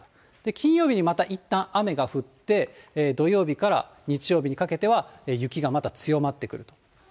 金曜日にまたいったん雨が降って、土曜日から日曜日にかけては、雪がまた強まってくると。